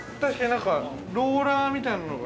なんかローラーみたいなのが。